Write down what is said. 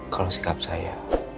kalau sikap saya